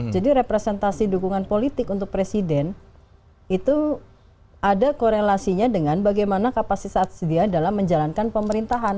jadi representasi dukungan politik untuk presiden itu ada korelasinya dengan bagaimana kapasitas dia dalam menjalankan pemerintahan